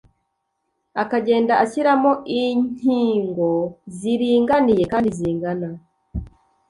akagenda ashyiramo inkingo ziringaniye kandi zingana.